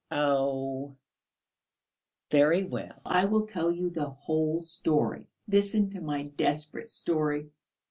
Oh, very well, I will tell you the whole story. Listen to my desperate story.